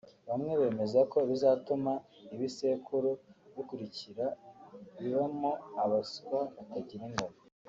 bamwe bemeza ko bizatuma ibisekuru bikurikira bibamo abaswa batagira ingano